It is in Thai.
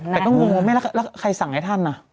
แต่ก็งงแล้วใครสั่งให้ท่านอ่ะ